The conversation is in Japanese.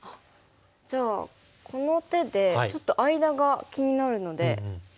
じゃあこの手でちょっと間が気になるので入ってみます。